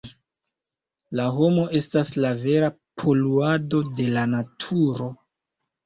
La homo estas la vera poluado de la naturo!